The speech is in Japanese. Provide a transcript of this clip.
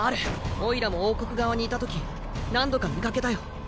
おいらも王国側にいたとき何度か見かけたよ。